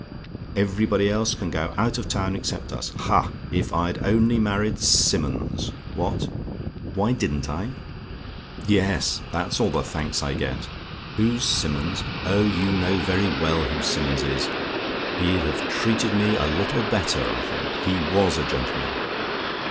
"Everybody else can go out of town except us. Ha! If I'd only married Simmons What? "WHY DIDN'T I? "Yes, that's all the thanks I get. "WHO'S SIMMONS? "Oh, you know very well who Simmons is. He'd have treated me a little better, I think. He WAS a gentleman.